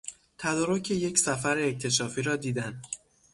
تدارک یک سفر اکتشافی را دیدن